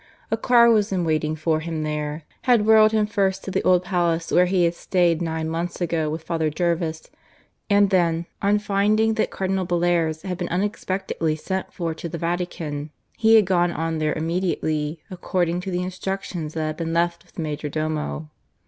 A car was in waiting for him there, had whirled him first to the old palace where he had stayed nine months ago with Father Jervis; and then, on finding that Cardinal Bellairs had been unexpectedly sent for to the Vatican, he had gone on there immediately, according to the instructions that had been left with the majordomo.